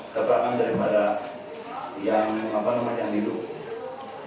keterangan daripada yang apa namanya yang diduga